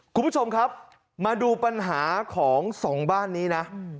คุณผู้ชมครับมาดูปัญหาของสองบ้านนี้นะ